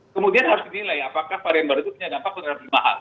kemudian harus dinilai apakah varian baru itu punya dampak yang lebih mahal